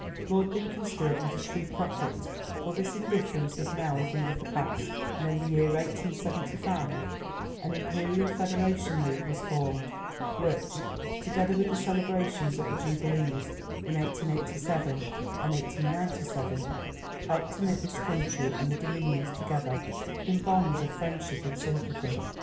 Lord Beaconsfield was a true prophet, for this indifference is now a thing of the past, and in the year 1875 an Imperial Federation League was formed, which, together with the celebrations at the Jubilees in 1887 and 1897, helped to knit this country and the Dominions together in bonds of friendship and sympathy.